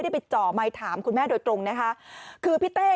คดีของคุณบอสอยู่วิทยาคุณบอสอยู่วิทยาคุณบอสอยู่ความเร็วของรถเปลี่ยน